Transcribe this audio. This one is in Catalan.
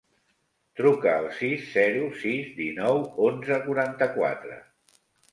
Truca al sis, zero, sis, dinou, onze, quaranta-quatre.